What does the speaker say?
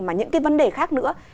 mà những cái vấn đề khác nữa